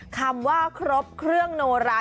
คำว่าครบเครื่องโนรา